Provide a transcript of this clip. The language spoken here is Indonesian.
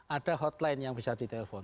ada hotline yang bisa ditelepon